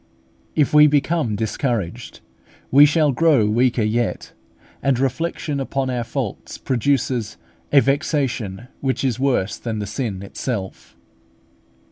If we become discouraged, we shall grow weaker yet; and reflection upon our faults produces a vexation which is worse than the sin itself.